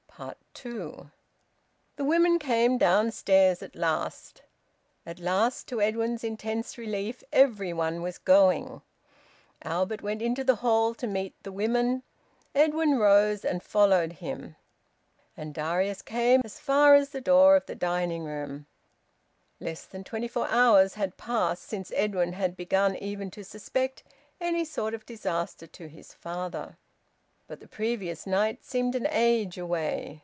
TWO. The women came downstairs at last. At last, to Edwin's intense relief, every one was going. Albert went into the hall to meet the women. Edwin rose and followed him. And Darius came as far as the door of the dining room. Less than twenty four hours had passed since Edwin had begun even to suspect any sort of disaster to his father. But the previous night seemed an age away.